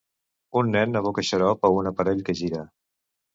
Un nen aboca xarop a un aparell que gira.